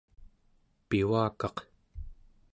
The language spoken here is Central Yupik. pivakaq